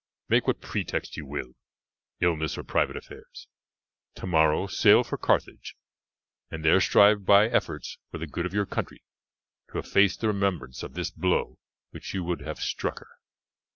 Make what pretext you will illness or private affairs. Tomorrow sail for Carthage, and there strive by efforts for the good of your country to efface the remembrance of this blow which you would have struck her."